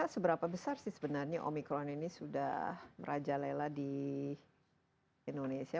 seberapa besar sih sebenarnya omikron ini sudah merajalela di indonesia